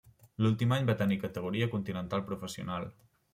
L'últim any va tenir categoria continental professional.